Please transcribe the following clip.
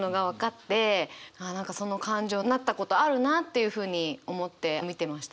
ああ何かその感情なったことあるなっていうふうに思って見てました。